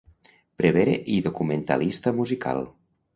Prevere i documentalista musical.